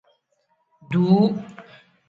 Duuu.